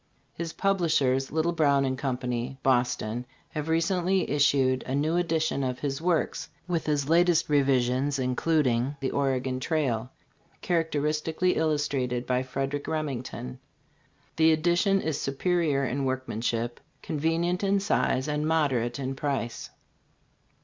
His publishers, Little, Brown & Co., Boston, have recently issued a THE HISTORIANS. 73 new edition of his works, with his latest revisions, including " The Oregon Trail," characteristically illustrated by Frederick Remington. The edition is superior in workmanship, convenient in size and moderate in price.